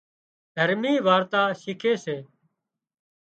دهرمي وارتا شيکي سي